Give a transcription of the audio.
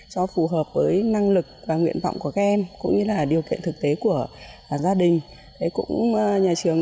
cho phù hợp với năng lực và nguyện vọng của các em cũng như là điều kiện thực tế của gia đình